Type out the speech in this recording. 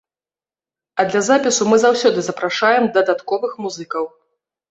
А для запісу мы заўсёды запрашаем дадатковых музыкаў.